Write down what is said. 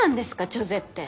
「チョゼ」って。